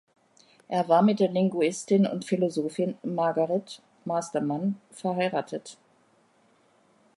Er war mit der Linguistin und Philosophin Margaret Masterman verheiratet.